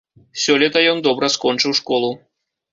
Сёлета ён добра скончыў школу.